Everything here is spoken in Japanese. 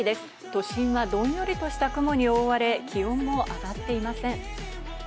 都心はどんよりとした雲に覆われ、気温も上がっていません。